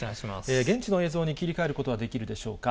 現地の映像に切り替えることができるでしょうか。